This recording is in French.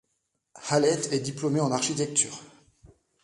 Hallett est diplômé en architecture.